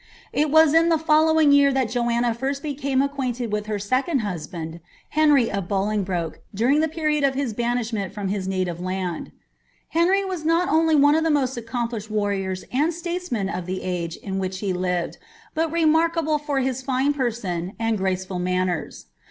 It was in the following year that Joanna first becanis act|uutited with ber second liusband, Ueniy of Bolingbroke, during the period of ki* •Dom nf to j 1 JOAHHA OF XATAMBB* 51 btnishment iirom his native land. Henrv was not only one of the most accom[di8hed warriors and statesmen of the age in which he hved, but remarlutble for his fine person and graceful manners.